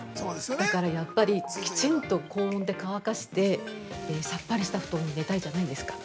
だから、やっぱりきちんと高温で乾かしてさっぱりした布団で寝たいじゃないですか。